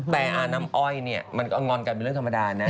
แต่อาน้ำอ้อยเนี่ยมันก็งอนกันเป็นเรื่องธรรมดานะ